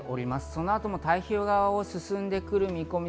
そのあとも太平洋側を進んでくる見込み。